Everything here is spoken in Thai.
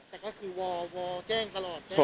แต่ก็คือวอแจ้งตลอด